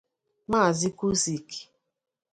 Maazị Kusic